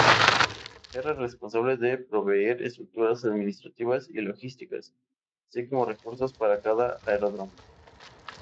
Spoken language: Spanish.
Era responsable de proveer estructuras administrativas y logísticas, así como recursos para cada aeródromo.